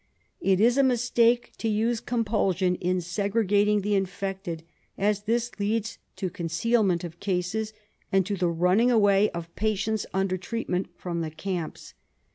It is a mistake to use compulsion in segregating the infected, as this leads to concealment of cases and to the running away of patients under treatment from the camps.